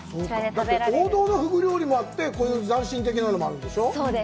王道のふぐ料理もあって、こういう斬新的なのもあるんでしょう？